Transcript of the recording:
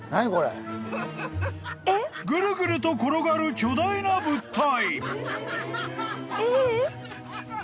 ［ぐるぐると転がる巨大な物体］